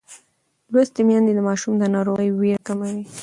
لوستې میندې د ماشوم د ناروغۍ وېره کموي.